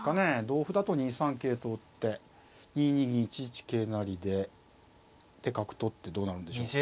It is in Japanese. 同歩だと２三桂と打って２二銀１一桂成でで角取ってどうなるんでしょう。